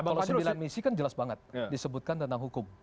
kalau sembilan misi kan jelas banget disebutkan tentang hukum